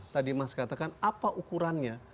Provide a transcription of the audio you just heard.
tadi mas katakan apa ukurannya